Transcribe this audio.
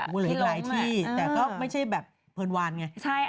มีหลายที่แต่ก็ไม่ใช่แบบเพิ่มวานไง